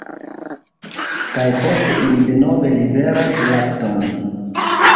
Kaj poste ili denove liveras lakton.